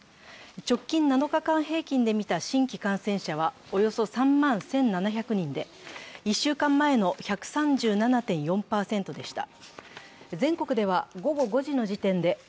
直近７日間平均で見た新規感染者はおよそ３万１７００人で、１週間前の１３７．４％でした。